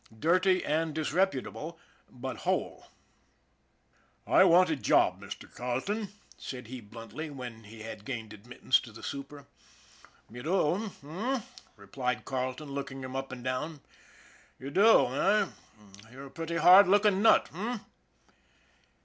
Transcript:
Dirty and disreputable, but whole. " I want a job, Mr. Carleton," said he bluntly, when he had gained admittance to the super. "You do, eh?" replied Carleton, looking him up and down. " You do, eh ? You're a pretty hard look ing nut, h'm